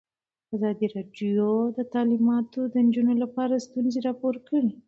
ازادي راډیو د تعلیمات د نجونو لپاره ستونزې راپور کړي.